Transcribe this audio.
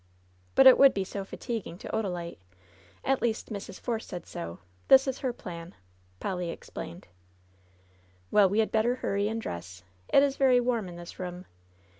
"But it would be so fatiguing to Odalite. At least, Mrs. Force said so. This is her plan," Polly explained. "Well, we had better hurry and dress. It is very warm in this room.